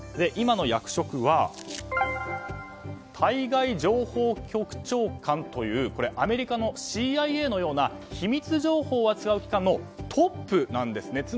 今の役職は対外情報局長官というアメリカのＣＩＡのような秘密情報を扱う機関のトップなんですね。